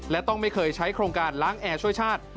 และต้องไม่เคยใช้โครงการล้างแอร์ช่วยชาติ